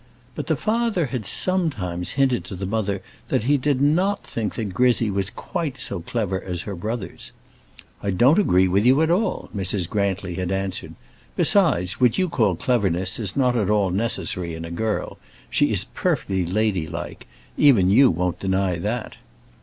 But the father had sometimes hinted to the mother that he did not think that Grizzy was quite so clever as her brothers. "I don't agree with you at all," Mrs. Grantly had answered. "Besides, what you call cleverness is not at all necessary in a girl; she is perfectly ladylike; even you won't deny that."